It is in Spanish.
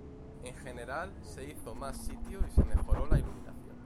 En general, se hizo más sitio y se mejoró la iluminación.